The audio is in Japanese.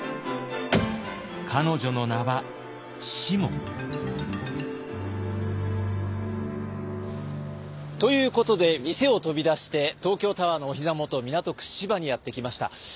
彼女の名は「しも」。ということで店を飛び出して東京タワーのおひざ元港区芝にやって来ました。